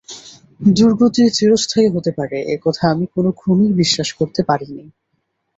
দুর্গতি চিরস্থায়ী হতে পারে এ কথা আমি কোনোক্রমেই বিশ্বাস করতে পারি নে।